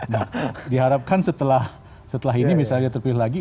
nah diharapkan setelah ini misalnya terpilih lagi